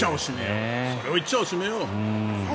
それを言っちゃおしめえよ！